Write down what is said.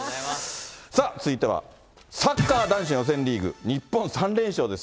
さあ続いては、サッカー男子予選リーグ、日本３連勝です。